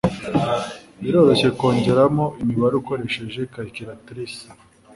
Biroroshye kongeramo imibare ukoresheje calculatrice.